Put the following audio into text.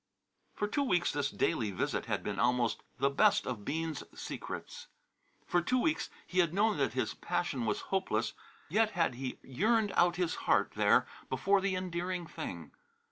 For two weeks this daily visit had been almost the best of Bean's secrets. For two weeks he had known that his passion was hopeless, yet had he yearned out his heart there before the endearing thing.